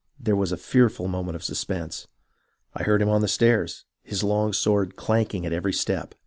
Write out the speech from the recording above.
There was a fearful moment of suspense. I heard him on the stairs, his long sword clanking at every step.